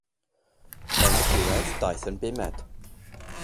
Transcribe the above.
Yn y diwedd, daeth yn bumed.